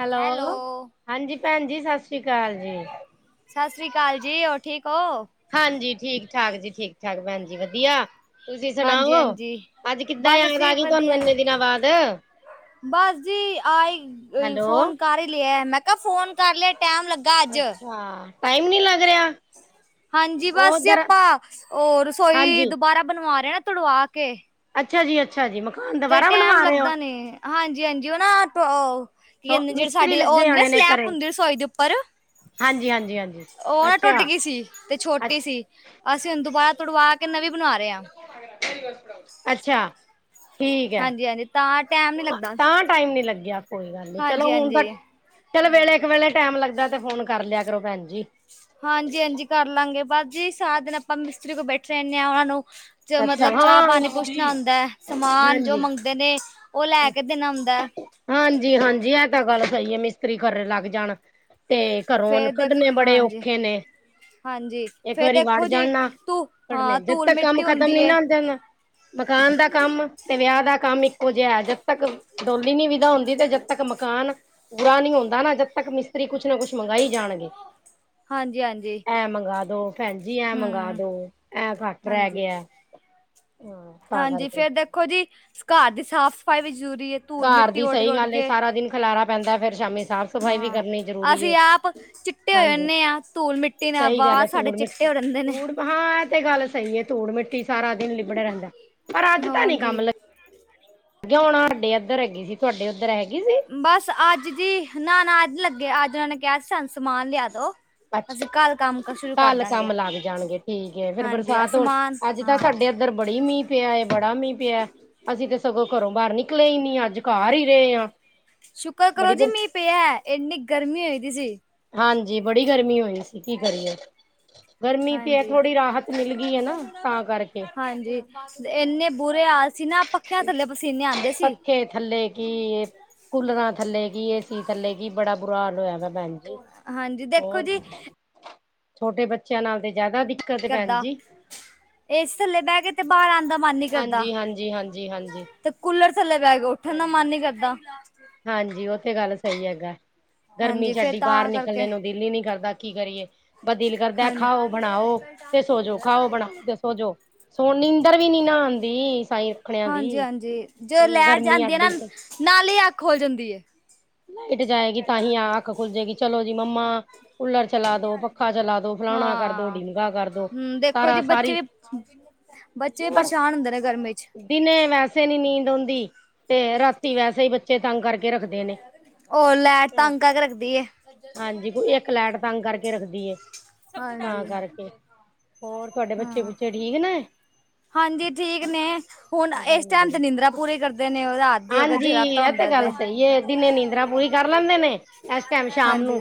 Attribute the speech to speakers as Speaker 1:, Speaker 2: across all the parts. Speaker 1: Hello ਹਾਂਜੀ ਭੈਣ ਜੀ ਸਤਿ ਸ਼੍ਰੀ ਅਕਾਲ ਜੀ
Speaker 2: ਸਤਿ ਸ੍ਰੀ ਅਕਾਲ ਜੀ ਹੋਰ ਠੀਕ ਹੋ
Speaker 1: ਹਾਂਜੀ ਠੀਕ ਠਾਕ ਜੀ ਠੀਕ ਠਾਕ ਭੈਣ ਜੀ ਵਧੀਆ ਤੁਸੀ ਸੁਣਾਓ
Speaker 2: ਹਾਂਜੀ-ਹਾਂਜੀ।
Speaker 1: ਅੱਜ ਕਿਦਾ
Speaker 2: ਬਸ
Speaker 1: ਯਾਦ ਆ
Speaker 2: ਅਸੀਂ
Speaker 1: ਗਈ ਤੁਹਾਨੂੰ
Speaker 2: ਵਧੀਆ,
Speaker 1: ਏਨੇ ਦਿਨਾਂ ਬਾਅਦ
Speaker 2: ਬਸ ਜੀ ਆਈ ਅ
Speaker 1: ਹੈਲੋ।
Speaker 2: ਫੋਨ ਕਰ ਹੀ ਲਿਆ ਮੈਂ ਕਿਹਾ ਫੋਨ ਕਰ ਲਿਆ ਟੈਮ ਲੱ
Speaker 1: ਅੱਛਾ ਟਾਈਮ ਨੀ ਲੱਗ ਰਿਹਾ
Speaker 2: ਹਾਂਜੀ
Speaker 1: ਉਹ
Speaker 2: ਬਸ ਜ
Speaker 1: ਉੱਧਰ
Speaker 2: ਆਪਾਂ ਉਹ ਰਸੋਈ
Speaker 1: ਹਾਂਜੀ।
Speaker 2: ਦੁਬਾਰਾ ਬਣਵਾ ਰਹੇ ਨਾ ਤੜਵਾ ਕੇ [inaudible] ਕੇ
Speaker 1: ਅੱਛਾ ਜੀ ਅੱਛਾ ਜੀ ਮਕਾਨ ਦੁਬਾਰਾ ਬਣਵਾ ਰਹੇ ਹੋ
Speaker 2: ਹਾਂਜੀ ਹਾਂਜੀ ਉਹ ਨਾ ਤੋਂ ਕੀਏਂਦੇ ਜਿਹੜੇ
Speaker 1: ਮਿਸਤਰੀ
Speaker 2: ਸਾਡੀ ਉਹ
Speaker 1: ਲੱਗੇ
Speaker 2: ਹੁੰਦੀ ਨਾ
Speaker 1: ਹੋਣੇ ਨੇ
Speaker 2: ਸਲੈਪ
Speaker 1: ਘਰੇ,
Speaker 2: ਹੁੰਦੀ ਰਸੋਈ ਦੇ ਉਪਰ
Speaker 1: ਹਾਂਜੀ ਹਾਂਜੀ ਹਾਂਜੀ
Speaker 2: ਔਹ ਨਾ ਟੋਟ
Speaker 1: ਅੱਛਾ।
Speaker 2: ਗੀ ਸੀ ਤੇ ਛੋਟੀ
Speaker 1: ਅੱਛ
Speaker 2: ਸੀ ਅਸੀਂ ਹੁਨ ਦੁਬਾਰਾ ਤੁੜਵਾ ਕੇ ਨਵੀਂ ਬਣਾ ਰਹੇ ਆ
Speaker 1: ਅੱਛਾ ਠੀਕ ਹੈ
Speaker 2: ਹਾਂਜੀ-ਹਾਂਜੀ ਤਾਂ ਟੈਮ ਨੀ ਲੱਗਦਾ।
Speaker 1: ਤਾ ਟਾਈਮ ਨੀ ਲੱਗਿਆ ਕੋਈ ਗੱਲ ਨੀ ਚਲੋ
Speaker 2: ਹਾਂਜੀ
Speaker 1: ਹੁਣ ਤਾਂ
Speaker 2: ਹਾਂਜੀ
Speaker 1: ਚਲ ਵੇਲੇ ਇੱਕ ਵੇਲੇ ਟੈਮ ਲੱਗਦਾ ਤੇ ਫੋਨ ਕਰ ਲਿਆ ਕਰੋ ਭੈਣ ਜੀ
Speaker 2: ਹਾਂਜੀ ਹਾਂਜੀ ਕਰ ਲਾਂਗੇ ਬਸ ਜੀ ਸਾਰਾ ਦਿਨ ਆਪਾਂ ਮਿਸਤਰੀ ਕੋਲ ਬੈਠੇ ਰਹਦੇ ਹਾਂ ਉਹਨਾਂ ਨੂੰ ਚ
Speaker 1: ਅੱਛਾ
Speaker 2: ਮਤਲਬ
Speaker 1: ਹਾਂ
Speaker 2: ਚਾਹ ਪਾਣੀ ਪੁੱਛਣਾ
Speaker 1: ਹਾਂਜੀ
Speaker 2: ਹੁੰਦੈ ਸਮਾਨ ਜੋ ਮੰਗਦੇ ਨੇ ਓਹ ਲੈ ਕੇ ਦੇਣਾ ਹੁੰਦੈ
Speaker 1: ਹਾਂਜੀ ਹਾਂਜੀ ਇਹ ਤਾਂ ਗੱਲ ਸਹੀ ਏ ਮਿਸਤਰੀ ਖਰੇ ਲੱਗ ਜਾਣ ਤੇ ਘਰੋਂ
Speaker 2: ਫੇਰ ਦੇਖ
Speaker 1: ਕੱਢਣੇੇ ਬੜੇ
Speaker 2: ਹਾਂਜੀ
Speaker 1: ਔਖੇ ਨੇ
Speaker 2: ਹਾਂਜੀ
Speaker 1: ਇੱਕ
Speaker 2: ਫੇਰ
Speaker 1: ਵਾਰੀ ਵੜ
Speaker 2: ਦੇਖੋ
Speaker 1: ਜਾਣ
Speaker 2: ਜੀ
Speaker 1: ਨਾ
Speaker 2: ਤੂੰ
Speaker 1: ਪੜਨੇ
Speaker 2: ਹਾਂ
Speaker 1: ਜਦ
Speaker 2: ਧੂਲ
Speaker 1: ਤੱਕ ਕੰਮ
Speaker 2: ਮਿੱਟੀ
Speaker 1: ਖਤਮ
Speaker 2: ਹੁੰਦੀ
Speaker 1: ਨੀ
Speaker 2: ਏ
Speaker 1: ਨਾ ਹਣ ਦੇਣ ਮਕਾਨ ਦਾ ਕੰਮ ਤੇ ਵਿਆਹ ਦਾ ਕੰਮ ਇੱਕੋ ਜੇਐ ਜਦ ਤੱਕ ਡੋਲੀ ਨੀ ਵਿਦਾ ਹੁੰਦੀ ਤੇ ਜਦ ਤੱਕ ਮਕਾਨ ਪੂਰਾ ਨੀ ਹੁੰਦਾ ਨਾ ਜਦ ਤੱਕ ਮਿਸਤ ਰੀ ਕੁਛ ਨਾ ਕੁਛ ਮੰਗਈ ਜਾਣਗੇ
Speaker 2: ਹਾਂਜੀ ਹਾਂਜੀ
Speaker 1: ਐ ਮੰਗਾ ਦੋ ਭੈਣਜੀ ਐਂ
Speaker 2: ਹਮ
Speaker 1: ਮੰਗਾਦੋ ਐਂ ਘੱਟ ਰਹਿ
Speaker 2: ਹਾਂਜੀ
Speaker 1: ਗਿਐ ਤਾਂ
Speaker 2: ਹਾਂਜੀ
Speaker 1: ਕਰਕੇ
Speaker 2: ਫੇਰ ਦੇਖੋ ਜੀ ਘਰ ਦੀ ਸਾਫ਼ ਸਫ਼ਾਈ ਵੀ ਜ਼ਰੂਰੀ ਏ ਧੂਲ
Speaker 1: ਘਰ
Speaker 2: ਮਿੱਟੀ
Speaker 1: ਦੀ
Speaker 2: ਉੱਡ
Speaker 1: ਸਹੀ
Speaker 2: ਉੱਡ
Speaker 1: ਗੱਲ ਏ
Speaker 2: ਕੇ
Speaker 1: ਸਾਰਾ ਦਿਨ ਖਿਲਾਰਾ ਪੈਂਦਾ ਫੇਰ ਸ਼ਾਮੀ ਸਾਫ਼ ਸਫ਼ਾਈ ਵੀ
Speaker 2: ਹਾਂ
Speaker 1: ਕਰਨੀ ਜ਼ਰੂਰੀ ਏ।
Speaker 2: ਅਸੀਂ ਆਪ ਚੀ ਤੂੰ ਚਿੱਟੇ ਹੋਏ
Speaker 1: ਹਾਂਜੀ
Speaker 2: ਹੁਣੇ ਆ ਧੂਲ ਮਿੱਟੀ ਨਾ
Speaker 1: ਸਹੀ ਗੱਲ ਏ
Speaker 2: ਵਾਲ ਸਾਡੇ
Speaker 1: ਧੂੜ ਮਿੱਟੀ
Speaker 2: ਚਿੱਟੇ ਹੋ ਜਾਂਦੇ ਨੇ
Speaker 1: ਧੂੜ ਹਾਂ ਇਹ ਤੇ ਗੱਲ ਸਹੀ ਏ ਧੂੜ ਮਿੱਟੀ ਸਾਰਾ ਦਿਨ ਲਿਬੜਾ ਰਹਿੰਦਾ ਪਰ ਅੱਜ ਤਾਂ ਨੀ
Speaker 2: ਹਾਂਜੀ
Speaker 1: ਕੰਮ ਲੱਗ ਜੌ ਹੁਣ ਆ ਸਾਡੇ ਇੱਧਰ ਹੈਗੀ ਸੀ ਤੁਹਾਡੇ ਉੱਧਰ ਹੈਗੀ ਸੀ
Speaker 2: ਬਸ ਅੱਜ ਦੀ, ਨਾ-ਨਾ ਅੱਜ ਲੱਗੇ, ਅੱਜ ਉਹਨਾਂ ਨੇ ਕਿਹਾ ਸੀ ਸਾਨੂੰ ਸਮਾਨ ਲਿਆ ਦੋ।
Speaker 1: ਅੱਛ,
Speaker 2: ਅਸੀਂ ਕੱਲ ਕੰਮ ਕ ਸ਼ੁਰੂ ਕਰ
Speaker 1: ਕੱਲ
Speaker 2: ਦਾਂਗੇ
Speaker 1: ਕੰਮ ਲੱਗ ਜਾਣਗੇ ਠੀਕ ਐ ਫੇਰ
Speaker 2: ਹਾਂਜੀ
Speaker 1: ਬਰਸਾਤ ਹੋਨ,
Speaker 2: ਅਸਮਾਨ
Speaker 1: ਅੱਜ ਤਾਂ
Speaker 2: ਹਾਂ
Speaker 1: ਸਾਡੇ ਇੱਧਰ ਬੜੀ ਮੀਂਹ ਪਿਆ ਐ, ਬੜਾ ਮੀਂਹ ਪਿਆ। ਅਸੀਂ ਤਾਂ ਸਗੋਂ ਘਰੋਂ ਬਾਹਰ ਨਿਕਲੇ ਈ ਨੀ। ਅੱਜ ਘਰ ਈ ਰੇ ਆਂ।
Speaker 2: ਸ਼ੁਕਰ ਕਰੋ ਜੀ ਮੀਹ ਪਿਆ, ਐਨੀ ਗਰਮੀ ਹੋਈ ਦੀ ਸੀ।
Speaker 1: ਹਾਂਜੀ ਬੜੀ ਗਰਮੀ ਹੋਈ ਸੀ ਕੀ ਕਰੀਏ। ਗਰਮੀ ਤੇ ਹੈ,
Speaker 2: ਹਾਂਜੀ
Speaker 1: ਥੋੜ੍ਹੀ ਰਾਹਤ ਮਿਲ ਗਈ ਹੈ ਨਾ ਤਾਂ ਕਰਕੇ।
Speaker 2: ਹਾਂਜੀ ਇੰਨੇ ਬੁਰੇ ਹਾਲ ਸੀ ਨਾ, ਪੱਖਿਆਂ ਥੱਲੇ ਪਸੀਨੇ ਆਉਂਦੇ ਸੀ।
Speaker 1: ਪੱਖੇ ਥੱਲੇ ਕੀ, ਕੂਲਰਾਂ ਥੱਲੇ ਕੀ, ਏਸੀ ਥੱਲੇ ਕੀ ਬੜਾ ਬੁਰਾ ਹਾਲ ਹੋਇਆ ਏ। ਹਾਂਜੀ
Speaker 2: ਹਾਂਜੀ ਦੇਖੋ
Speaker 1: ਹੋਰ,
Speaker 2: ਜੀ
Speaker 1: ਛੋਟੇ ਬੱਚਿਆਂ ਨਾਲ ਤੇ ਜ਼ਿਆਦਾ ਦਿਕ
Speaker 2: ਕਰਦਾ, ਏਸੀ ਥੱਲੇ ਬਹਿ ਕੇ ਤੇ ਬਾਹਰ ਆਉਣ ਦਾ ਮਨ ਨੀਂ ਕਰਦਾ।
Speaker 1: ਹਾਂਜੀ-ਹਾਂਜੀ।
Speaker 2: ਤੇ ਕੂਲਰ ਥੱਲੇ ਬੈਕੇ, ਉੱਠਣ ਦਾ ਮਨ ਨੀ ਕਰਦਾ।
Speaker 1: ਹਾਂਜੀ ਉਤੇ ਗੱਲ ਸਹੀ ਹੈਗਾ ਗਰਮੀ
Speaker 2: ਹਾਂਜੀ
Speaker 1: ਚ
Speaker 2: ਫੇਰ
Speaker 1: ਏਡੀ ਬਾਹਰ
Speaker 2: ਤਾਂ ਕਰਕੇ
Speaker 1: ਨਿਕਲਣ ਨੂੰ ਦਿਲ ਹੀ ਨੀ ਕਰਦਾ ਕੀ ਕਰੀਏ ਬ ਦੀਲ ਕਰਦਾ
Speaker 2: ਹਾਂਜੀ
Speaker 1: ਖਾਓ ਬਣਾਓ ਤੇ ਸੋਜੋ ਖਾਓ ਬਣਾਓ ਤੇ ਸੋਜੋ ਸੋਣ ਨੀਂਦਰ ਵੀ ਨੀ ਨਾਹਾ ਆਉਂਦੀ ਸਾਈ ਰੱਖਣਿਆਂ
Speaker 2: ਹਾਂਜੀ
Speaker 1: ਦੀ
Speaker 2: ਹਾਂਜੀ ਜਦੋਂ
Speaker 1: ਨ
Speaker 2: ਲੈਟ
Speaker 1: ਗਰਮੀ
Speaker 2: ਜਾਂਦੀ ਹੈ
Speaker 1: ਅਡੀ
Speaker 2: ਨਾ ਨਾਲ ਹੀ ਅੱਖ ਖੋਲ ਜਾਂਦੀ ਏ
Speaker 1: ਲਾਇਟ ਜਾਏਗੀ ਤਾਂ ਹੀ ਆਹ ਅੱਖ ਖੁੱਲ ਜਾਏਗੀ ਚਲੋ ਜੀ ਮੰਮਾ ਕੂਲਰ ਚਲਾ ਦੋ ਪੱਖਾ ਚਲਾ ਦੋ ਫਲਾਣਾ ਕਰ ਦੋ
Speaker 2: ਹਾਂ
Speaker 1: ਡੀਮਗਾ ਕਰ ਦੋ
Speaker 2: ਹਮ ਦੇਖੋ ਜੀ
Speaker 1: ਤਾਰਾ ਸਾਰੀ
Speaker 2: ਬੱਚੇ ਵੀ ਬੱਚੇ
Speaker 1: ਪਰ
Speaker 2: ਪਰੇਸ਼ਾਨ ਹੁੰਦੇ ਨੇ ਗਰਮੀ ਚ।
Speaker 1: ਦਿਨੇ ਵੈਸੇ ਨੀ ਨੀਂਦ ਆਉਂਦੀ ਤੇ ਰਾਤੀ ਵੈਸੇ ਹੀ ਬੱਚੇ ਤੰਗ ਕਰਕੇ ਰੱਖਦੇ ਨੇ।
Speaker 2: ਉਹ ਲੈਟ ਤਾਂ ਤੰਗ ਕਰਕੇ ਰੱਖਦੀ। ਹੈ
Speaker 1: ਹਾਂਜੀ, ਕੋਈ ਇੱਕ ਲੈਟ ਤੰਗ ਕਰਕੇ ਰੱਖਦੀ ਐ। ਤਾਂ
Speaker 2: ਹਾਂਜੀ
Speaker 1: ਕਰਕੇ, ਹੋਰ ਤੁਹਾਡੇ ਬੱਚੇ
Speaker 2: ਹਾਂ
Speaker 1: ਬੱਚੇ ਠੀਕ ਨੇ।
Speaker 2: ਹਾਂਜੀ, ਠੀਕ ਨੇ ਹੁਣ ਇਸ
Speaker 1: ਗਰਮੀ
Speaker 2: ਟਾਈਮ ਤੇ
Speaker 1: ਬੜੀ
Speaker 2: ਨਿੰਦਰਾ ਪੂਰੀ ਕਰਦੇ ਨੇ ਉਹ ਰਾਤ ਦੀ ਅਗਰ
Speaker 1: ਹਾਂਜੀ,
Speaker 2: ਜਗਰਾਤਾ
Speaker 1: ਇਹ ਤੇ
Speaker 2: ਹੁੰਦਾ
Speaker 1: ਗੱਲ ਸਹੀ ਹੈ। ਦੀਨੇ ਨੀਂਦਾਂ ਪੂਰੀ ਕਰ ਲੈਂਦੇ ਨੇ, ਇਸ ਟਾਈਮ ਸ਼ਾਮ
Speaker 2: ਹਾਂਜੀ
Speaker 1: ਨੂੰ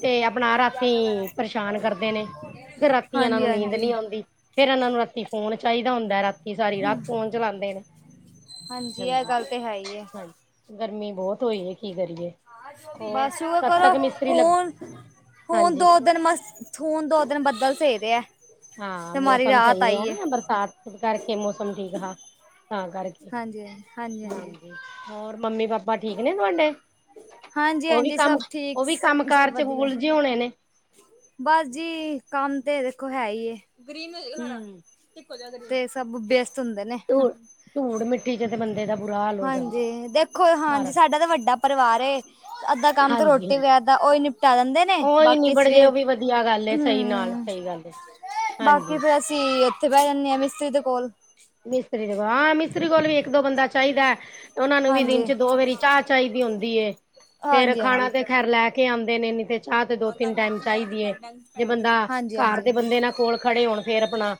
Speaker 1: ਤੇ ਆਪਣਾ ਰਾਤੀ ਪਰੇਸ਼ਾਨ ਕਰਦੇ ਨੇ, ਤੇ ਰਾਤੀ ਇਹਨਾਂ
Speaker 2: ਹਾਂਜੀ
Speaker 1: ਨੂੰ ਨੀਂਦ ਨਹੀਂ
Speaker 2: ਹਾਂਜੀ
Speaker 1: ਆਉਂਦੀ। ਫੇਿਰ ਇਹਨਾਂ ਨੂੰ ਰਾਤੀ ਫੋਨ ਚਾਹੀਦਾ ਹੁੰਦਾ ਰਾਤੀ ਸਾਰੀ ਰਾਤ ਫੋਨ ਚਲਾਉਂਦੇ ਨੇ, ਹਾਂਜੀ।
Speaker 2: ਏ ਤੇ ਹੈ ਹੀ ਹੇ।
Speaker 1: ਹਾਂਜੀ, ਗਰਮੀ ਬਹੁਤ ਹੋਈ ਹੈ ਕੀ ਕਰੀਏ? ਹੋਰ
Speaker 2: ਬਸ ਉਹ
Speaker 1: ਕਦ
Speaker 2: ਕਰੋ
Speaker 1: ਤੱਕ ਮਿਸਤਰੀ ਲੱਗ
Speaker 2: ਫੋਨ- ਫੋਨ
Speaker 1: ਹਾਂਜੀ
Speaker 2: ਦੋ ਦਿਨ ਮਸ ਹੁਣ ਦੋ ਦਿਨ ਤੋਂ ਬੱਦਲ ਸਹੀ ਰਿਹਾ।
Speaker 1: ਹਾਂ,
Speaker 2: ਤੇ ਮਾਰੀ
Speaker 1: ਮੌਸਮ
Speaker 2: ਰਾਹਤ
Speaker 1: ਸਹੀ ਰਿਹਾ
Speaker 2: ਆਈ ਹੈ
Speaker 1: ਨਾ ਬਰਸਾਤ ਕਰਕੇ ਮੌਸਮ ਠੀਕ ਹਾ ਤਾਂ ਕਰਕੇ।
Speaker 2: ਹਾਂਜੀ-ਹਾਂਜੀ-ਹਾਂਜੀ।
Speaker 1: ਹਾਂਜੀ ਹੋਰ ਮੰਮੀ-ਪਾਪਾ ਠੀਕ ਨੇ ਤੁਹਾਡੇ?
Speaker 2: ਹਾਂਜੀ
Speaker 1: ਉਹ ਵੀ
Speaker 2: ਹਾਂਜੀ
Speaker 1: ਕੰਮ,
Speaker 2: ਸਭ ਠੀਕ
Speaker 1: ਉਹ ਵੀ
Speaker 2: ਸਭ
Speaker 1: ਕੰਮ-ਕਾਰ ਚ
Speaker 2: ਵਧੀਆ
Speaker 1: ਉਲਝੇ ਹੋਣੇ ਨੇ।
Speaker 2: ਬਸ ਜੀ ਕੰਮ ਤੇ ਦੇਖੋ ਹੈ ਹੀ ਹੈ, ਗਰੀਨ ਨੂੰ
Speaker 1: ਹੂੰ।
Speaker 2: ਹਰਾ ਤੇ ਸਭ ਵਿਅਸਤ ਹੁੰਦੇ ਨੇ।
Speaker 1: ਧੂੜ ਧੂੜ ਮਿੱਟੀ ਚ ਤੇ ਬੰਦੇ ਦਾ ਬੁਰਾ ਹਾਲ ਹੋ ਜਾਂਦਾ,
Speaker 2: ਹਾਂਜੀ ਦੇਖੋ
Speaker 1: ਸਾਰਾ।
Speaker 2: ਹਾਂਜੀ ਸਾਡਾ ਤਾਂ ਵੱਡਾ ਪਰਿਵਾਰ ਏ ਅੱਧਾ ਕੰਮ ਤਾਂ ਰੋਟੀ
Speaker 1: ਹਾਂਜੀ-ਹਾਂਜੀ,
Speaker 2: ਵਗੈਰਾ ਦਾ ਉਹੀ ਨਿਪਟਾ ਦਿੰਦੇ ਨੇ
Speaker 1: ਉਹੀ
Speaker 2: ਬਾਕੀ
Speaker 1: ਨਿਬੜ
Speaker 2: ਅਸੀਂ
Speaker 1: ਜੇ ਉਹ ਵੀ
Speaker 2: ਫਿਰ
Speaker 1: ਵਧੀਆ ਗੱਲ ਹੈ, ਸਹੀ ਨਾਲ।
Speaker 2: ਹਮ
Speaker 1: ਸਹੀ ਗੱਲ ਏ।
Speaker 2: ਬਾਕੀ
Speaker 1: ਹਾਂਜੀ।
Speaker 2: ਫੇਰ ਅਸੀਂ ਉੱਥੇ ਬਹਿ ਜਾਂਦੇ ਹਾਂ ਮਿਸਤਰੀ ਦੇ ਕੋਲ।
Speaker 1: ਮਿਸਤਰੀ ਦੇ ਕੋਲ ਹਾਂ, ਮਿਸਤਰੀ ਕੋਲ ਵੀ ਇੱਕ-ਦੋ ਬੰਦਾ ਚਾਹੀਦਾ ਉਹਨਾਂ ਨੂੰ ਵੀ ਦਿਨ
Speaker 2: ਹਾਂਜੀ
Speaker 1: ਚ ਦੋ ਵਾਰੀ ਚਾਹ ਚਾਹੀਦੀ ਹੁੰਦੀ ਫੇਰ
Speaker 2: ਹਾਂਜੀ
Speaker 1: ਖਾਣਾ
Speaker 2: ਹਾਂਜੀ
Speaker 1: ਤੇ ਲੈ ਕੇ ਆਉਂਦੇ ਨੇ ਨਹੀਂ ਤੇ ਚਾਹ ਤੇ ਦੋ-ਤਿੰਨ ਟਾਈਮ ਚਾਹੀਦੀ ਏ ਜੇ ਬੰਦਾ
Speaker 2: ਹਾਂਜੀ
Speaker 1: ਘਰ
Speaker 2: ਹਾਂਜੀ
Speaker 1: ਦੇ ਬੰਦੇ ਨਾ ਕੋਲ ਖੜੇ ਹੋਣ ਫੇਰ ਆਪਣਾ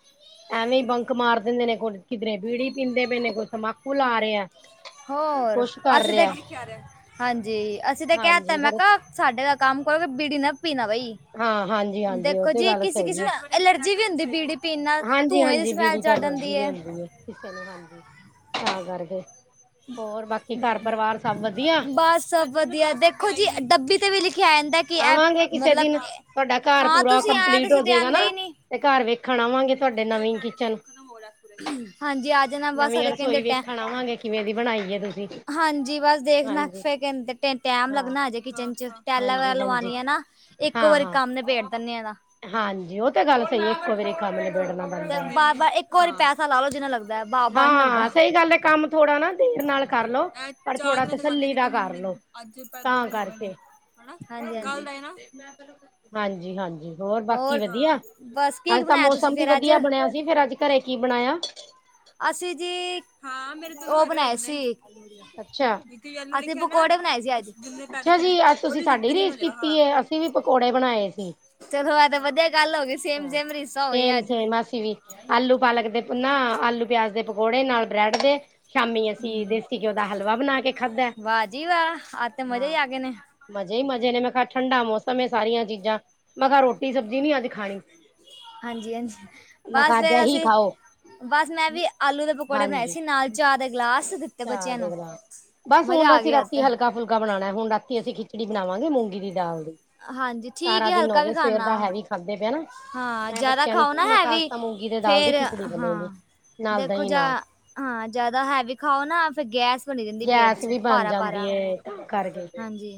Speaker 1: ਐਵੇਂ ਹੀ ਬੰਕ ਮਾਰ ਦਿੰਦੇ ਨੇ ਕੋ ਕਿਧਰੇ ਬੀੜੀ ਪੀਂਦੇ ਪੈਨੇ, ਕੋਈ ਸਮਬਾਕੂ ਲਾ ਰਹੇ ਆ।
Speaker 2: ਹੋਰ ਅਸੀਂ ਤੇ ਹਾਂਜੀ, ਅਸੀਂ ਤੇ ਕਹਿ ਦਿੱਤਾ
Speaker 1: ਹਾਂਜੀ
Speaker 2: ਮੈਂ
Speaker 1: ਫੇਰ
Speaker 2: ਕਿਹਾ ਸਾਡੇ ਦਾ ਕੰਮ ਕਰੋਗੇ ਬੀੜੀ ਨਾ ਪੀਣਾ ਬਈ।
Speaker 1: ਹਾਂ ਹਾਂਜੀ ਹਾਂਜੀ ਉਹ
Speaker 2: ਦੇਖੋ
Speaker 1: ਤੇ
Speaker 2: ਜੀ,
Speaker 1: ਗੱਲ ਸਹੀ
Speaker 2: ਕਿਸੇ-ਕਿਸੇ
Speaker 1: ਹੈ
Speaker 2: ਨਾ ਐਲਰਜੀ ਵੀ ਹੁੰਦੀ ਪੀੜੀ ਪੀਣ ਨਾਲ ਧੂੰਏ ਦੀ ਸਮੈਲ ਚੜ
Speaker 1: ਐਨਰਜੀ
Speaker 2: ਜਾਂਦੀ
Speaker 1: ਵੀ
Speaker 2: ਹੈ
Speaker 1: ਆਉਦੀ ਏ। ਕਿਸੇ ਨੂੰ ਹਾਂਜੀ, ਤਾਂ ਕਰਕੇ ਹੋਰ ਬਾਕੀ ਘਰ ਪਰਿਵਾਰ ਸਭ ਵਧੀਆ।
Speaker 2: ਬਸ ਸਭ ਵਧੀਆ ਦੇਖੋ ਜੀ ਡੱਬੀ 'ਤੇ ਵੀ ਲਿਖਿਆ ਆਂਦਾ ਕਿ ਇਹ,
Speaker 1: ਆਵਾਂਗੇ ਕਿਸੇ
Speaker 2: ਮਤਲਬ
Speaker 1: ਦਿਨ ਤੁਹਾਡਾ ਘਰ
Speaker 2: ਹਾਂ।
Speaker 1: ਪੂਰਾ
Speaker 2: ਤੁਸੀਂ ਆਈਆਂ,
Speaker 1: ਕੰਪਲੀਟ ਹੋ
Speaker 2: ਤੁਸੀਂ ਤੇ,
Speaker 1: ਜਾਏਗਾ
Speaker 2: ਆਦੇਂ
Speaker 1: ਨਾ
Speaker 2: ਈ ਨੀ।
Speaker 1: ਤੇ ਘਰ ਵੇਖਣ ਆਵਾਂਗੇ ਤੁਹਾਡੇ
Speaker 2: ਤ ਮੇਰਾ
Speaker 1: ਨਵੀਂ
Speaker 2: ਨਾ ਨੈਟ
Speaker 1: ਕਿਚਨ
Speaker 2: ਖਤਮ ਹੋ ਰਿਹਾ ਹਾਂਜੀ, ਅਜ ਨਾ ਬਸ
Speaker 1: ਨਵੀਂ
Speaker 2: ਸੈਕਿੰਡ
Speaker 1: ਰਸੋਈ
Speaker 2: ਟੇਟ ਹੈ।
Speaker 1: ਵੇਖਣ ਆਵਾਂਗੇ ਕਿਵੇਂ ਦੀ ਬਣਾਈ ਹੈ ਤੁਸੀਂ
Speaker 2: ਹਾਂਜੀ, ਬਸ ਦੇਖ ਨਾ
Speaker 1: ਹਾਂਜੀ
Speaker 2: ਫੇਰ ਕਹਿੰਦੇ ਟ ਟੈਮ
Speaker 1: ਹਾਂ
Speaker 2: ਲੱਗਣਾ ਹਜੇ ਕਿਚਨ ਚ। ਟੈਲਾਂ ਵਗੈਰਾ
Speaker 1: ਹਾਂਜੀ ਹਾਂਜੀ
Speaker 2: ਲਵਣੀ ਏ ਨਾ ਇੱਕੋ
Speaker 1: ਹਾਂ
Speaker 2: ਵਾਰੀ
Speaker 1: ਹਾਂ
Speaker 2: ਕੰਮ ਨਬੇੜ ਦਿਨੇਂ ਆ ਏਦਾ।
Speaker 1: ਹਾਂਜੀ, ਉਹ ਤਾਂ ਗੱਲ ਸਹੀ ਇੱਕੋ ਵਾਰੀ ਕੰਮ ਨਬੇੜਣਾ ਬ
Speaker 2: ਤੇ ਬਾਰ ਬਾਰ ਇੱਕ ਵਾਰੀ ਪੈਸਾ ਲਾ ਲਓ ਜਿੰਨਾ ਲੱਗਦਾ ਹੈ ਬਾ ਬਾਹਰ ਨੀ ਲੱਗਦਾ
Speaker 1: ਹਾਂ, ਸਹੀ ਗੱਲ ਏ ਕੰਮ ਥੋੜਾ ਨਾ ਦੇਰ ਨਾਲ ਕਰਲੋ
Speaker 2: ਇਹ
Speaker 1: ਪਰ
Speaker 2: ਚਾਰ
Speaker 1: ਥੋੜਾ
Speaker 2: ਦਿਨਾਂ ਚ ਕਰ
Speaker 1: ਤਸੱਲੀ
Speaker 2: ਦਿਆਂਗੇ
Speaker 1: ਦਾ
Speaker 2: ਤਿੰਨ
Speaker 1: ਲੋ
Speaker 2: ਅੱਜ ਪ ਦੋ ਦਿਨ ਹੋ ਗਏ ਨੇ।
Speaker 1: ਹਾਂਜੀ-ਹਾਂਜੀ, ਹੋਰ ਬਾਕੀ ਵਧੀਆ।
Speaker 2: ਬਸ ਕੀ
Speaker 1: ਅੱਜ ਤਾਂ,
Speaker 2: ਬਣਾਇਆ ਤੁਸੀਂ
Speaker 1: ਮੌਸਮ ਵੀ
Speaker 2: ਫੇਰ ਅੱਜ
Speaker 1: ਵਧੀਆ ਬਣਿਆ ਸੀ। ਫੇਰ, ਅੱਜ ਘਰੇ ਕੀ ਬਣਾਇਆ?
Speaker 2: ਅਸੀਂ ਜੀ। ਹ ਉਹ, ਬਣਾਏ ਸੀ। ਅਸੀਂ
Speaker 1: ਅੱਛਾ
Speaker 2: ਪਕੌੜੇ, ਬਣਾਏ ਸੀ, ਅੱਜ।
Speaker 1: ਅੱਛਾ ਜੀ। ਅੱਜ ਤੁਸੀਂ, ਸਾਡੀ ਰੀਸ ਕੀਤੀ ਹੈ। ਅਸੀਂ ਵੀ, ਪਕੌੜੇ ਬਣਾਏ ਸੀ।
Speaker 2: ਚਲੋ, ਐ ਤਾਂ, ਵਧੀਆ ਗੱਲ ਹੋ ਗਈ। ਸੇਮ
Speaker 1: ਹਾਂ
Speaker 2: ਰੀਸਾਂ ਹੋ ਗਈਆਂ
Speaker 1: ਸੇਮ-
Speaker 2: ਅੱਜ।
Speaker 1: ਸੇਮ ਆ ਅਸੀਂ ਵੀ। ਆਲੂ- ਪਾਲਕ ਦੇ ਨਾ, ਆਲੂ- ਪਿਆਜ ਦੇ ਪਕੌੜੇ, ਨਾਲ ਬ੍ਰੈਡ ਦੇ। ਸ਼ਾਮੀ ਅਸੀਂ, ਦੇਸੀ ਘਿਓ, ਦਾ ਹਲਵਾ ਬਣਾ ਕੇ ਖਾਧਾ,
Speaker 2: ਵਾਹ ਜੀ ਵਾਹ ਆਜ ਤੇ ਮਜ਼ੇ ਹੀ
Speaker 1: ਹਾਂ।
Speaker 2: ਆ ਗਏ ਨੇ
Speaker 1: ਮਜ਼ੇ ਈ ਮਜ਼ੇ ਨੇ, ਮੈਂ ਕਿਹਾ ਠੰਡਾ ਮੌਸਮ ਏ। ਸਾਰੀਆਂ ਚੀਜ਼ਾਂ। ਮੈਂ ਕਿਹਾ ਰੋਟੀ- ਸਬਜ਼ੀ ਨੀ ਅੱਜ ਖਾਣੀ।
Speaker 2: ਹਾਂਜੀ-ਹਾਂਜੀ, ਬਸ
Speaker 1: ਮਖਾਜਾ
Speaker 2: ਫੇਰ
Speaker 1: ਹੀ
Speaker 2: ਅਸੀਂ,
Speaker 1: ਖਾਓ
Speaker 2: ਬਸ ਮੈਂ ਵੀ, ਆਲੂ ਦੇ ਪਕੌੜੇ ਬਣਾਏ
Speaker 1: ਹਾਂਜੀ
Speaker 2: ਸੀ। ਨਾਲ ਚਾਹ ਦਾ ਗਲਾਸ। ਬੱਚਿਆਂ ਨੂੰ।
Speaker 1: [unintelligible] ਬਸ
Speaker 2: ਮਜ਼ਾ
Speaker 1: ਹੁਣ,
Speaker 2: ਆ
Speaker 1: ਅਸੀ
Speaker 2: ਗਿਆ ਅੱਜ
Speaker 1: ਰਾਤੀ
Speaker 2: ਤੇ
Speaker 1: ਹਲਕਾ- ਫੁਲਕਾ। ਗਾ ਬਨਾਣਾ ਏ। ਹੁਣ ਰਾਤੀ ਅਸੀਂ ਖਿਚੜੀ, ਬਣਾਵਾਂਗੇ ਮੂੰਗੀ ਦੀ ਦਾਲ ਦੀ।
Speaker 2: ਹਾਂਜੀ। ਠੀਕ
Speaker 1: ਸਾਰਾ
Speaker 2: ਏ,
Speaker 1: ਦਿਨ ਹੋ
Speaker 2: ਹਲਕਾ ਵੀ
Speaker 1: ਗਏ ਸਵੇਰ
Speaker 2: ਖਾਣਾ।
Speaker 1: ਦਾ ਹੈਵੀ ਖਾਧੇ ਪਏ ਨਾ
Speaker 2: ਹਾਂ।
Speaker 1: ਮੈਂ
Speaker 2: ਜ਼ਿਆਦਾ
Speaker 1: ਬੱਚਿਆਂ ਨੂੰ
Speaker 2: ਖਾਓ
Speaker 1: ਕਿਹਾ
Speaker 2: ਨਾ
Speaker 1: ਮੈਂ ਖਾਸ
Speaker 2: ਹੈਵੀ,
Speaker 1: ਤਾਂ ਮੂੰਗੀ ਦੇ ਦਾਲ ਦੀ
Speaker 2: ਫੇਰ
Speaker 1: ਖਿਚੜੀ ਬਣੇਗੀ
Speaker 2: ਹਾਂ।
Speaker 1: ਨਾਲ
Speaker 2: ਦੇਖੋ
Speaker 1: ਦਹੀਂ
Speaker 2: ਜਾ
Speaker 1: ਨਾਲ
Speaker 2: ਹਾਂ। ਜ਼ਿਆਦਾ ਹੈਵੀ, ਖਾਓ ਨਾ ਫੇਰ ਗੈਸ ਬਣੀ ਰਹਿੰਦੀ ਪੇਟ
Speaker 1: ਗੈਸ
Speaker 2: 'ਚ
Speaker 1: ਵੀ, ਬਨ
Speaker 2: ਭਾਰਾ
Speaker 1: ਜਾਂਦੀ
Speaker 2: ਭਾਰਾ
Speaker 1: ਏ। ਕਰ ਗ [unintelligible]
Speaker 2: ਹਾਂਜੀ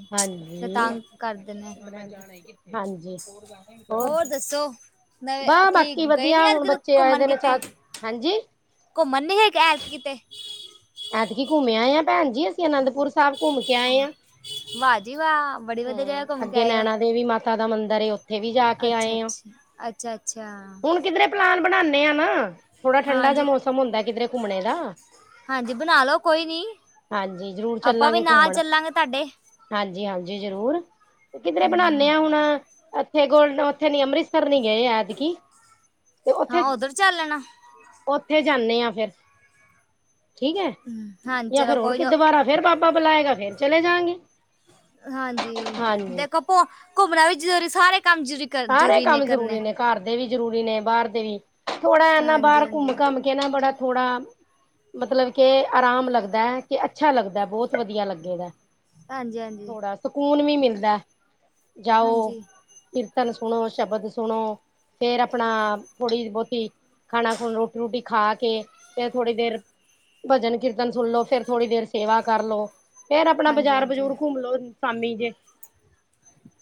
Speaker 2: ਫਿਰ
Speaker 1: ਹਾਂਜੀ
Speaker 2: ਤੰਗ ਕਰਦੇ ਨੇ
Speaker 1: [unintelligible] ਹਾਂਜੀ। ਹੋਰ?
Speaker 2: ਨਵੇਂ
Speaker 1: ਵਾਹ
Speaker 2: ਕੀ
Speaker 1: ਬਾਕੀ
Speaker 2: ਗਏ ਨੀ
Speaker 1: ਵਧੀਆ।
Speaker 2: ਅੱਜ
Speaker 1: ਹੁਣ
Speaker 2: ਕਿਤੇ
Speaker 1: ਬੱਚੇ
Speaker 2: ਘੁੰਮਣ
Speaker 1: ਆਏਦੇ ਨੇ
Speaker 2: ਕਿਤੇ
Speaker 1: ਚ-ਚੁ, ਹਾਂਜੀ।
Speaker 2: ਘੁੰਮਣ, ਨੀ ਗੇ ਐਤ- ਕਿਤੇ
Speaker 1: ਐਤਕੀ ਘੁੰਮਿਆ ਆਇਆ, ਭੈਣ ਜੀ ਅਸੀਂ, ਅਨੰਦਪੁਰ ਸਾਹਬ। ਘੁੰਮ ਕੇ ਆਏ ਆ।
Speaker 2: ਵਾਹ ਜੀ ਵਾਹ ਬੜੀ ਵਧੀਆ ਜਗ੍ਹਾ
Speaker 1: ਹੂੰ,
Speaker 2: ਘੁੰਮ
Speaker 1: ਅੱਗੇ ਨੈਣਾ ਦੇਵੀ, ਮਾਤਾ ਦਾ ਮੰਦਿਰ ਉਥੇ।
Speaker 2: ਅੱਛਾ-ਅੱਛਾ। ਅੱਛਾ-ਅੱਛਾ।
Speaker 1: ਹੁਣ ਕਿਧਰੇ ਪਲਾਨ, ਬਣਾਨੇ ਆ ਨਾ। ਥੋੜਾ ਠੰਡਾ ਜਾ,
Speaker 2: ਹਾਂਜੀ
Speaker 1: ਮੌਸਮ ਹੁੰਦਾ, ਕਿਧਰੇ ਘੁੰਮਣੇ ਦਾ।
Speaker 2: ਹਾਂਜੀ। ਬਣਾ ਲਓ, ਕੋਈ ਨੀ,
Speaker 1: ਹਾਂਜੀ ਜ਼ਰੂਰ
Speaker 2: ਆਪਾਂ ਵੀ,
Speaker 1: ਚੱਲਾਂਗੇ
Speaker 2: ਨਾਲ
Speaker 1: ਘੁੰਮਣ
Speaker 2: ਚੱਲਾਂਗੇ ਤਾਡੇ।
Speaker 1: ਹਾਂਜੀ-ਹਾਂਜੀ। ਜ਼ਰੂਰ, ਤੇ ਕਿਧਰੇ ਬਨਾਣੇ
Speaker 2: ਹਮ
Speaker 1: ਆ ਹੁਣ। ਏਥੇ ਗੋਲਡ, ਉੱਥੇ ਨੀ, ਅੰਮ੍ਰਿਤਸਰ ਨੀ ਗਏ, ਐਦਕੀ।
Speaker 2: ਹਾਂ। ਉੱਧਰ, ਚੱਲ ਲੈਣਾ।
Speaker 1: ਉੱਥੇ, ਜਾਨੇ ਆ, ਫੇਰ। ਠੀਕ ਹੈ।
Speaker 2: ਹਾਂਜੀ
Speaker 1: ਯਾਂ
Speaker 2: ਚਲੋ
Speaker 1: ਫੇਰ ਹੋਰ
Speaker 2: ਕੋਈ
Speaker 1: ਕਿ,
Speaker 2: ਨਾ
Speaker 1: ਦੁਬਾਰਾ ਫੇਰ ਬਾਬਾ ਬੁਲਾਏਗਾ, ਫੇਰ ਚਲੇ ਜਾਂਗੇ।
Speaker 2: ਹਾਂਜੀ। ਦੇਖੋ ਭੂ ਘੁੰਮਣਾ ਵੀ, ਜਰੂਰੀ, ਸਾਰੇ ਕੰਮ ਜਰੂਰੀ।
Speaker 1: ਸਾਰੇ ਕੰਮ ਜ਼ਰੂਰੀ ਨੇ, ਘਰ ਦੇ ਵੀ ਜ਼ਰੂਰੀ ਨੇ, ਬਾਹਰ ਦੇ ਵੀ, ਥੋੜਾ ਐਨਾ
Speaker 2: ਹਾਂਜੀ
Speaker 1: ਬਾਹਰ ਘੁੰਮ-
Speaker 2: ਹਾਂਜੀ
Speaker 1: ਘਮ ਕਹਿਣਾ, ਬੜਾ- ਥੋੜਾ। ਮਤਲਬ ਕੇ, ਆਰਾਮ ਲੱਗਦਾ ਐ, ਕਿ ਅੱਛਾ ਲੱਗਦਾ, ਬਹੁਤ ਵਧੀਆ ਲੱਗੇਗਾ।
Speaker 2: ਹਾਂਜੀ-ਹਾਂਜੀ।
Speaker 1: ਸਕੂਨ ਵੀ ਮਿਲਦਾ। ਜਾਓ।
Speaker 2: ਹਾਂਜੀ
Speaker 1: ਕੀਰਤਨ ਸੁਣੋ, ਸ਼ਬਦ ਸੁਣੋ, ਫੇਰ ਆਪਣਾ ਥੋੜੀ ਬਹੁਤੀ ਖਾਣਾ- ਖੁਣਾ, ਰੋਟ- ਰੋਟੀ, ਖਾ ਕੇ ਫੇਰ ਥੋੜੀ ਦੇਰ ਭਜਨ ਕੀਰਤਨ ਸੁਣ ਲੋ, ਫਿਰ ਥੋੜ੍ਹੀ ਦੇਰ ਸੇਵਾ ਕਰ ਲੋ। ਫੇਰ ਆਪਣਾ
Speaker 2: ਹਾਂਜੀ
Speaker 1: ਬਾਜ਼ਾਰ
Speaker 2: ਹਾਂਜੀ
Speaker 1: ਬਜੂਰ ਘੁੰਮ ਲੋਓ, ਸ਼ਾਮੀ ਜੇ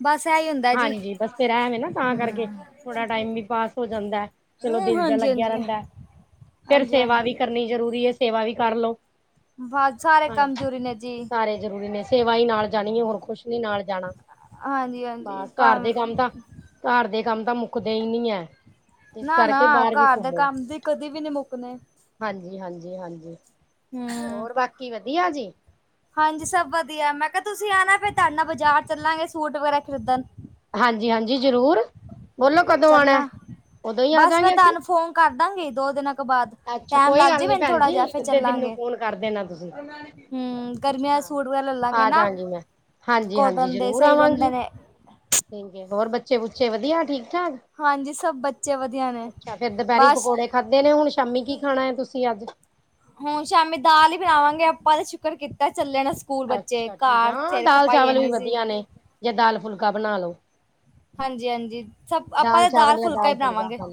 Speaker 2: ਬਸ ਇਹੀ ਹੁੰਦਾ ਜੀ।
Speaker 1: ਫਿਰ ਐਵੇਂ, ਨਾ ਤਾਂ
Speaker 2: ਹਮ
Speaker 1: ਕਰਕੇ ਥੋੜਾ ਟਾਈਮ ਵੀ ਪਾਸ ਹੋ ਜਾਂਦਾ, ਚਲੋ
Speaker 2: ਹਮ,
Speaker 1: ਦਿਲ ਜਹਾ
Speaker 2: ਹਾਂਜੀ
Speaker 1: ਲੱਗਿਆ
Speaker 2: ਹਾਂਜੀ
Speaker 1: ਰਹਿੰਦਾ। ਫੇਰ
Speaker 2: ਹਾਂਜੀ,
Speaker 1: ਸੇਵਾ ਵੀ
Speaker 2: ਹਾਂਜੀ।
Speaker 1: ਕਰਨੀ ਜ਼ਰੂਰੀ ਹੈ। ਸੇਵਾ ਵੀ ਕਰਲੋ।
Speaker 2: ਬਸ ਸਾਰੇ ਕੰਮ ਜ਼ਰੂਰੀ ਨੇ ਜੀ
Speaker 1: ਸਾਰੇ ਜ਼ਰੂਰੀ ਨੇ। ਸੇਵਾ ਹੀ, ਨਾਲ ਜਾਣੀ ਹੈ, ਹੋਰ ਕੁੁਸ਼ ਨੀ ਨਾਲ ਜਾਣਾ।
Speaker 2: ਹਾਂਜੀ ਹਾਂਜੀ
Speaker 1: ਬਸ, ਘਰ ਦੇ ਕੰਮ
Speaker 2: ਭਾਵੇਂ
Speaker 1: ਤਾਂ ਘਰ ਦੇ, ਕੰਮ ਤਾਂ, ਮੁੱਕਦੇ ਹੀ ਨਹੀਂ ਹੈ। ਇਸ
Speaker 2: ਨਾ-ਨਾ,
Speaker 1: ਕਰਕੇ ਬਾਹਰ ਵੀ
Speaker 2: ਘਰ ਦੇ ਕੰਮ ਦੇ ਕਦੇ ਵੀ, ਨਹੀਂ ਮੁੱਕਣੇ।
Speaker 1: ਹਾਂਜੀ-ਹਾਂਜੀ, ਹਾਂਜੀ,
Speaker 2: ਹਮ
Speaker 1: ਹੋਰ ਬਾਕੀ ਵਧੀਆ ਜੀ।
Speaker 2: ਹਾਂਜੀ, ਸਭ ਵਧੀਆ। ਮੈਂ ਕਿਹਾ, ਤੁਸੀਂ ਆ ਨਾ ਫੇਰ ਤੁਹਾਡੇ ਨਾਲ ਬਾਜ਼ਾਰ ਚੱਲਾਂਗੇ, ਸੂਟ ਵਗੈਰਾ ਖਰੀਦਣ।
Speaker 1: ਹਾਂਜੀ-ਹਾਂਜੀ, ਜ਼ਰੂਰ, ਬੋਲੋ ਕਦੋਂ ਆਣਾ ਐ।
Speaker 2: ਚੱਲਣਾ ਬਸ, ਮੈਂ ਤੁਹਾਨੂੰ ਫੋਨ ਕਰਦਾਂਗੀ। ਦੋ ਦਿਨਾਂ ਤੋਂ ਬਾਅਦ,
Speaker 1: ਅੱਛਾ
Speaker 2: ਟੈਮ
Speaker 1: ਕੋਈ
Speaker 2: ਲੱਗ
Speaker 1: ਗੱਲ
Speaker 2: ਜਾਵੇ,
Speaker 1: ਨੀ
Speaker 2: ਮੈਨੂੰ
Speaker 1: ਭੈਣ
Speaker 2: ਥੋੜਾ
Speaker 1: ਜੀ
Speaker 2: ਜਿਹਾ।
Speaker 1: ਇੱਕ
Speaker 2: ਫੇਰ
Speaker 1: ਅੱਧੇ ਦਿਨ ਨੂੰ
Speaker 2: ਚੱਲਾਂਗੇ।
Speaker 1: ਫੋਨ ਕਰ ਦੇਣਾ ਤੁਸੀਂ
Speaker 2: ਹੂੰ, ਗਰਮੀਆਂ ਦੇ
Speaker 1: ਹਾਂ
Speaker 2: ਸੂਟ ਵਗੈਰਾ ਲੱਲਾਂਗੇ
Speaker 1: ਆ
Speaker 2: ਨਾ।
Speaker 1: ਜਾਗੀ ਮੈਂ ਹਾਂਜੀ ਹਾਂਜੀ
Speaker 2: ਕੋਟਨ ਦੇ
Speaker 1: ਜ਼ਰੂਰ
Speaker 2: ਸਈ ਰੈਂਦੇ
Speaker 1: ਆਵਾਂਗੀ
Speaker 2: ਨੇ
Speaker 1: [unintelligible] ਹੋਰ ਬੱਚੇ ਬੁੱਚੇ ਵਧੀਆ ਠੀਕ ਠਾਕ।
Speaker 2: ਹਾਂਜੀ, ਸਭ ਬੱਚੇ ਵਧੀਆ ਨੇ
Speaker 1: ਅੱਛਾ ਫੇਰ ਦੁਪਹਿਰੀ
Speaker 2: ਬਸ
Speaker 1: ਪਕੌੜੇ ਖਾਧੇ ਨੇ, ਹੁਣ ਸ਼ਾਮੀ ਕੀ ਖਾਣਾ ਹੈ, ਤੁਸੀਂ ਅੱਜ
Speaker 2: ਹੁਣ ਸ਼ਾਮੀ ਦਾਲ ਹੀ ਬਣਾਵਾਂਗੇ, ਆਪਾਂ ਦਾ ਸ਼ੁਕਰ ਕੀਤਾ ਚੱਲਣਾ
Speaker 1: ਅੱਛਾ ਠੀਕ ਆ ਹਾਂ, ਦਾਲ-ਚਾਵਲ ਵੀ
Speaker 2: ਸੀ
Speaker 1: ਵਧੀਆ ਨੇ ਜਾਂ ਦਾਲ-ਫੁਲਕਾ ਬਣਾ ਲੋ।
Speaker 2: ਹਾਂਜੀ, ਹਾਂਜੀ, ਸਭ ਆਪਾਂ
Speaker 1: ਦਾਲ
Speaker 2: ਤਾਂ
Speaker 1: ਚਾਵਲ ਜਾਂ
Speaker 2: ਦਾਲ-ਫੁਲਕਾ ਹੀ
Speaker 1: ਦਾਲ ਫੁਲਕਾ
Speaker 2: ਬਣਾਵਾਂਗੇ।
Speaker 1: ਹਾਂ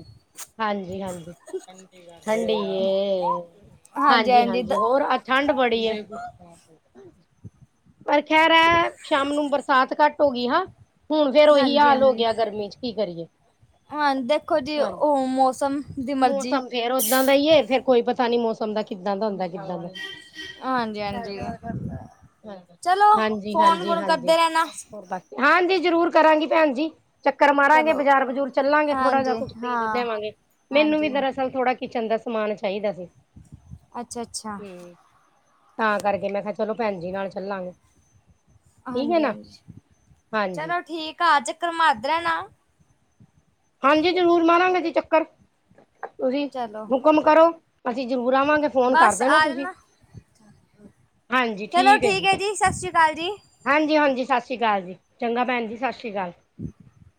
Speaker 1: ਹਾਂਜੀ, ਹਾਂਜੀ, ਠੰਡੀ ਏ ਹਾਂਜੀ, ਹਾਂਜੀ ਹੋਰ ਠੰਡ ਬੜੀ ਆ। ਪਰ ਖੈਰ ਹੈ, ਸ਼ਾਮ ਨੂੰ ਬਰਸਾਤ ਘੱਟ ਹੋ ਗਈ ਹ ਹੁਣ ਫੇਰ ਉਹੀ
Speaker 2: ਹਾਂਜੀ
Speaker 1: ਹਾਲ ਹੋ
Speaker 2: ਹਾਂਜੀ
Speaker 1: ਗਿਆ, ਗਰਮੀ ਚ ਕੀ ਕਰੀਏ,
Speaker 2: ਹਾਂ ਦੇਖੋ ਜੀ
Speaker 1: ਹਾਂ
Speaker 2: ਉਹ ਮੌਸਮ ਦੀ ਮਰਜ਼ੀ
Speaker 1: ਮੌਸਮ ਫੇਰ ਓਦਾਂ ਦਾ ਹੈ, ਫੇਰ ਕੋਈ ਪਤਾ ਨੀ ਮੌਸਮ ਦਾ ਕਿੱਦਾਂ ਦਾ ਹੁੰਦਾ, ਕਿੱਦਾਂ ਦਾ
Speaker 2: ਹਾਂਜੀ ਹਾਂਜੀ ਚਲੋ
Speaker 1: ਹਾਂਜੀ,
Speaker 2: ਫੋਨ
Speaker 1: ਹਾਂਜੀ,
Speaker 2: ਫੋਨ
Speaker 1: ਹਾਂਜੀ
Speaker 2: ਕਰਦੇ ਰਹਿਣਾ
Speaker 1: ਹੋਰ ਬਾਕ ਹਾਂਜੀ, ਜ਼ਰੂਰ ਕਰਾਂਗੀ ਭੈਣ ਜੀ। ਚੱਕਰ ਮਾਰਾਂਗੇ,
Speaker 2: ਚਲੋ
Speaker 1: ਬਾਜ਼ਾਰ ਬਜ਼ੂਰ ਚੱਲਾਂਗੇ, ਥੋੜਾ ਜਿਹਾ
Speaker 2: ਹਾਂਜੀ
Speaker 1: ਕੁੱਝ ਖਰੀਦ
Speaker 2: ਹਾਂ
Speaker 1: ਲਿਆਵਾਂਗੇ, ਮੈਨੂੰ ਵੀ
Speaker 2: ਹਾਂਜੀ
Speaker 1: ਦਰਅਸਲ ਥੋੜਾ ਕਿਚਨ ਦਾ ਸਮਾਨ ਚਾਹੀਦਾ ਸੀ,
Speaker 2: ਅੱਛਾ ਅੱਛਾ
Speaker 1: ਹੂੰ ਤਾਂ ਕਰਕੇ ਮੈਂ ਕਿਹਾ, ਚਲੋ ਭੈਣਜੀ ਨਾਲ ਚੱਲਾਂਗੇ। ਠੀਕ ਹੈ
Speaker 2: ਹਾਂਜੀ,
Speaker 1: ਨਾ
Speaker 2: ਹਾਂਜੀ,
Speaker 1: ਹਾਂਜੀ
Speaker 2: ਚਲੋ ਠੀਕ ਅਜਕਰਮਾਦਰਹਿ ਨਾ।
Speaker 1: ਹਾਂਜੀ, ਜ਼ਰੂਰ ਮਾਰਾਂਗੇ ਜੀ ਚੱਕਰ ਤੁਸੀਂ
Speaker 2: ਚਲੋ
Speaker 1: ਹੁਕਮ ਕਰੋ, ਅਸੀਂ ਜ਼ਰੂਰ ਆਵਾਂਗੇ, ਫੋਨ
Speaker 2: ਬਸ
Speaker 1: ਕਰਦੇ ਨਾ
Speaker 2: ਆ
Speaker 1: ਤੁਸੀਂ
Speaker 2: ਜਾਣਾ ਚਲੋ ਠੀਕ ਹੈ ਜੀ, ਸਤਿ ਸ਼੍ਰੀ ਅਕਾਲ ਜੀ।
Speaker 1: ਹਾਂਜੀ, ਹਾਂਜੀ, ਸਤਿ ਸ਼੍ਰੀ ਅਕਾਲ ਜੀ, ਚੰਗਾ ਭੈਣ ਜੀ ਸਤਿ ਸ਼੍ਰੀ ਅਕਾਲ।
Speaker 2: ਹੂੰ [unintelligible] [inaudible]